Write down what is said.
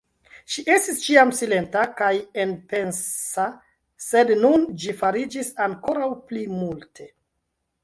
Ŝi estis ĉiam silenta kaj enpensa, sed nun ĝi fariĝis ankoraŭ pli multe.